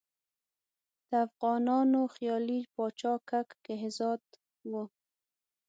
د افغانانو خیالي پاچا کک کهزاد وو.